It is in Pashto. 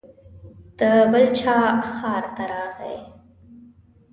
د بل باچا ښار ته راغی.